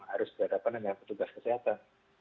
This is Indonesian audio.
harus berhadapan dengan petugas kesehatan